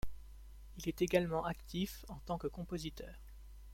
Il est également actif en tant que compositeur.